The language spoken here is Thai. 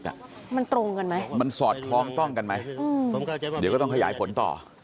มันตรงกันไหมมันสอดคล้องต้องกันไหมเดี๋ยวก็ต้องขยายผลต่อ